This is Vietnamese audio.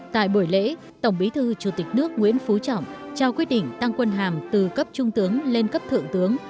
tại buổi lễ tổng bí thư chủ tịch nước nguyễn phú trọng trao quyết định thăng quân hàm từ cấp trung tướng lên cấp thượng tướng